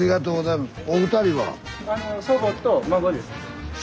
祖母と孫です。